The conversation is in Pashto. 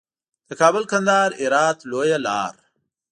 د کابل، کندهار، هرات لویه لار.